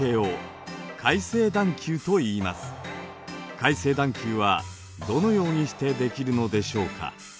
海成段丘はどのようにしてできるのでしょうか。